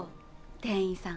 店員さん。